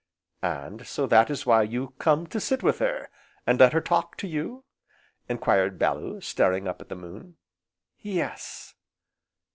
"And so that is why you come to sit with her, and let her talk to you?" enquired Bellew, staring up at the moon. "Yes."